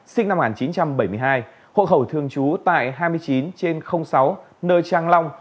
sinh năm một nghìn chín trăm bảy mươi hai hộ khẩu thường trú tại hai mươi chín trên sáu nơi trang long